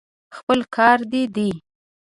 خپل کار دې دی.